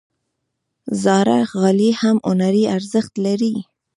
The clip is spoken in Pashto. زاړه غالۍ هم هنري ارزښت لري.